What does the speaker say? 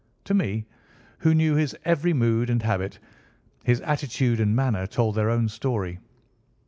To me, who knew his every mood and habit, his attitude and manner told their own story.